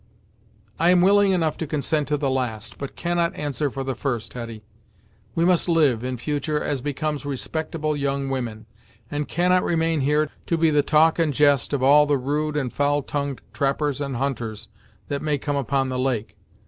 "I am willing enough to consent to the last, but cannot answer for the first, Hetty. We must live, in future, as becomes respectable young women, and cannot remain here, to be the talk and jest of all the rude and foul tongu'd trappers and hunters that may come upon the lake.